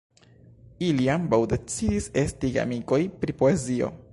Ili ambaŭ decidis esti geamikoj pri poezio.